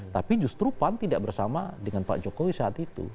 tapi justru pan tidak bersama dengan pak jokowi saat itu